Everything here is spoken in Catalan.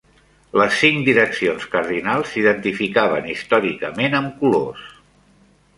Les cinc direccions cardinals s'identificaven històricament amb colors.